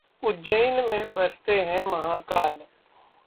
उज्जैन में बसते हैं महाकाल